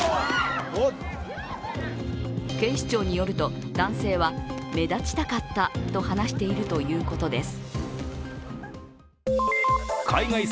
警視庁によると、男性は目立ちたかったと話しているということです。